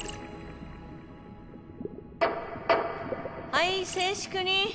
はい静粛に！